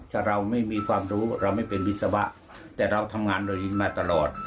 ถ้าเราไม่มีความรู้เราไม่เป็นวิศวะแต่เราทำงานโดยนี้มาตลอด